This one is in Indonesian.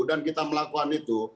dan kita melakukan itu